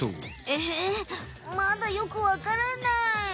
えまだよくわからない。